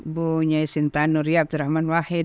ibu nyai sinta nurriya abdulrahman wahid